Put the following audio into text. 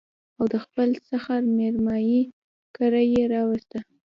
او د خپل سخر مېرمايي کره يې راوسته